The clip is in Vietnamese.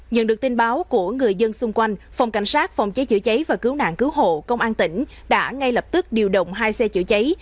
nhận được tin báo của người dân xung quanh phòng cảnh sát phòng cháy chữa cháy và cứu nạn cứu hộ công an tỉnh đã ngay lập tức điều động hai xe chữa cháy